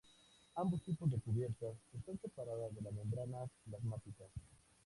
Ambos tipos de cubiertas están separadas de la membrana plasmática.